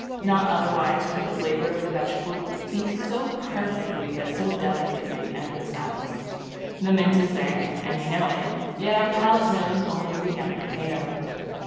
Not otherwise could the flavour of the vegetable be so perfectly, yet so delicately, emphasized. The mint is there, and we know it; yet our palate knows only the young potato.'